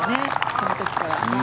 その時から。